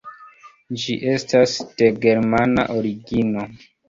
Ĝi estas de germana origino.